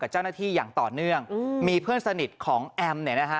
เจ้าหน้าที่อย่างต่อเนื่องอืมมีเพื่อนสนิทของแอมเนี่ยนะฮะ